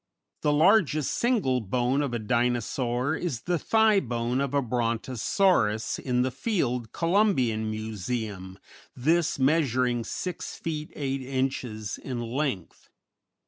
_] _The largest single bone of a Dinosaur is the thigh bone of a Brontosaurus in the Field Columbian Museum, this measuring 6 feet 8 inches in length.